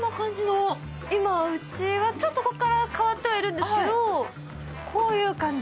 今、うちはちょっとここからは変わっているんですけど、こういう感じ。